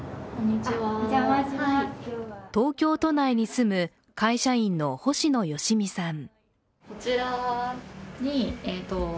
東京都内に住む、会社員の星野よしみさん。